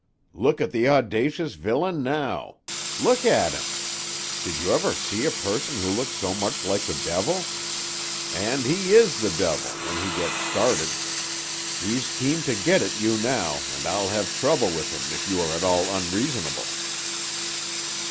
Look at the audacious villain now! Look at him! Did you ever see a person who looked so much like the devil? And he is the devil, when he gets started. He's keen to get at you now, and I'll have trouble with him if you are at all unreasonable."